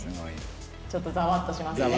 「ちょっとざわっとしましたね」